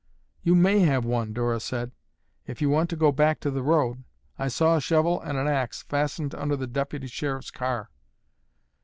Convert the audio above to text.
"You may have one," Dora said, "if you want to go back to the road. I saw a shovel and an axe fastened under the Deputy Sheriff's car."